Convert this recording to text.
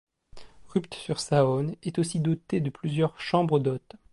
Rupt-sur-Saône est aussi dotée de plusieurs chambres d'hôtes.